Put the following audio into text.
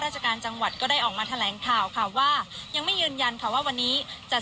สิทธิ์ข่าวไทยรัตน์ทีวีของเรารายงานสดจากหน้าถ้ำหลวงที่จังหวัดเชียงราย